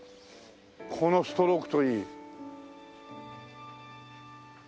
このストロークといい。